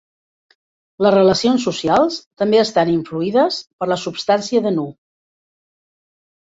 Les relacions socials també estan influïdes per la substància de Nu.